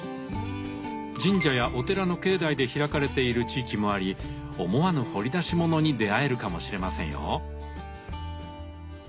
神社やお寺の境内で開かれている地域もあり思わぬ掘り出し物に出会えるかもしれませんよ。